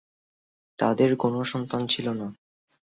তাঁদের কোনো সন্তান ছিল না।